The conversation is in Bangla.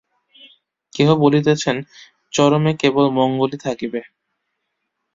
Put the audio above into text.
কেহ বলিতেছেন, চরমে কেবল মঙ্গলই থাকিবে।